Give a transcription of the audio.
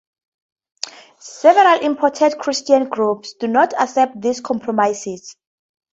Several important Christian groups do not accept these compromises.